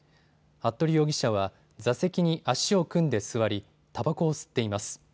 服部容疑者は座席に足を組んで座りたばこを吸っています。